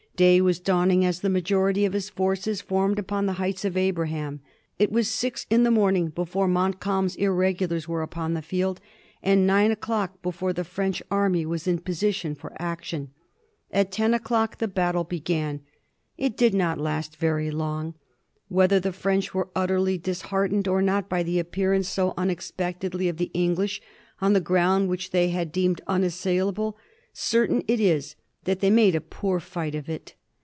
Day was dawning as the majority of his forces formed upon the Heights of Abraham. It was six in the morning before Montcalm's irregulars were upon the field, and nine o'clock before the French army was in position for ac tion. At ten o'clock the battle began. It did not last very long. Whether the French were utterly disheart ened or not by the appearance so unexpectedly of the VOL. II. — 13 290 A BISTORT OF THE FOUR GEORGEa GH.XL. English on the ground which they had deemed unassaila ble, certain is it that they made a poor fight of it.